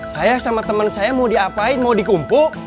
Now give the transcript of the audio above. saya sama temen saya mau diapain mau dikumpu